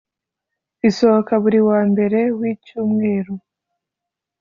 Isohoka buri wa mbere w icyumweru